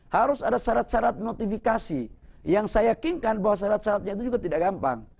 harus ada syarat syarat notifikasi yang saya yakinkan bahwa syarat syaratnya itu juga tidak gampang